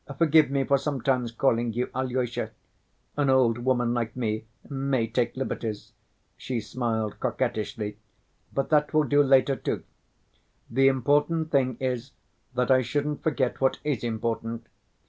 Forgive me for sometimes calling you Alyosha; an old woman like me may take liberties," she smiled coquettishly; "but that will do later, too. The important thing is that I shouldn't forget what is important.